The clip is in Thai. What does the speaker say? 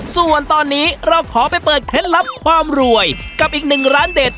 ส่วนตอนนี้เราขอไปเปิดเคล็ดลับความรวยกับอีกหนึ่งร้านเด็ด